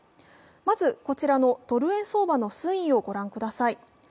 まず、こちらのドル円相場の推移を御覧ください。